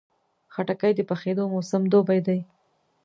خټکی د پخېدو موسم دوبی دی.